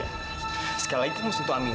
kamu ngebelain orang gak penting kayak dia